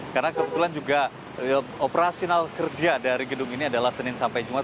karena kebetulan juga operasional kerja dari gedung ini adalah senin sampai jumat